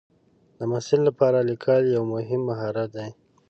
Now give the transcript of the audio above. د محصل لپاره لیکل یو مهم مهارت دی.